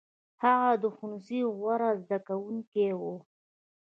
هغه د ښوونځي غوره زده کوونکی و.